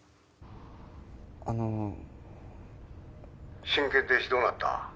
あの☎親権停止どうなった？